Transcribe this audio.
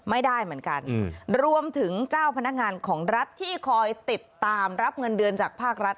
ไม่ได้เหมือนกันรวมถึงเจ้าพนักงานของรัฐที่คอยติดตามรับเงินเดือนจากภาครัฐ